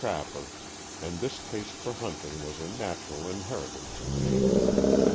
trapper and this taste for hunting was a natural inheritance in me.